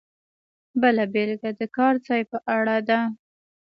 بله بېلګه د کار ځای په اړه ده.